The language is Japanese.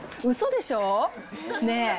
うそでしょ？